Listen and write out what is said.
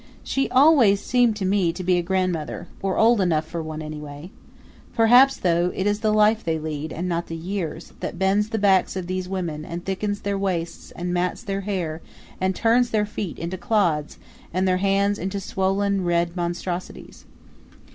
She always seemed to me to be a grandmother or old enough for one anyway. Perhaps, though, it is the life they lead, and not the years, that bends the backs of these women and thickens their waists and mats their hair and turns their feet into clods and their hands into swollen, red monstrosities.